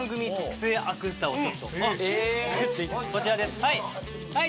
こちらですはい！